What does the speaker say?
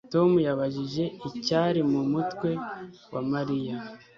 Tom yibajije icyari mu mutwe wa Mariya